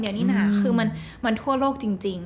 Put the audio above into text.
ที่นี่นี่หน่าคือมันทั่วโลกจริง